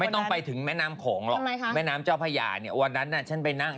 ต้องไปถึงแม่น้ำโขงหรอกแม่น้ำเจ้าพญาเนี่ยวันนั้นน่ะฉันไปนั่ง